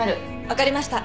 分かりました。